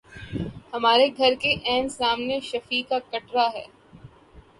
ہمارے گھر کے عین سامنے شفیع کا کٹڑہ ہے۔